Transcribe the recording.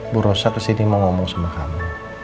bu rosa kesini mau ngomong sama kamu